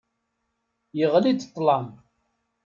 Yeɣli-d ṭlam.